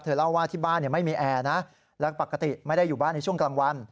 เล่าว่าที่บ้านไม่มีแอร์นะและปกติไม่ได้อยู่บ้านในช่วงกลางวัน